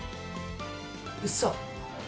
うそ！